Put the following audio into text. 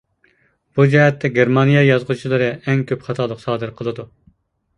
بۇ جەھەتتە گېرمانىيە يازغۇچىلىرى ئەڭ كۆپ خاتالىق سادىر قىلىدۇ.